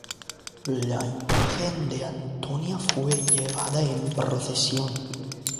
La imagen de Antonia fue llevada en procesión.